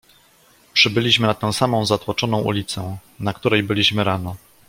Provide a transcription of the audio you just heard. "Przybyliśmy na tę samą zatłoczoną ulicę, na której byliśmy rano."